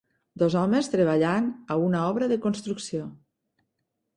Dos homes treballant a una obra de construcció.